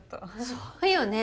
そうよね。